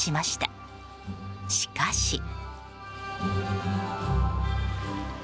しかし。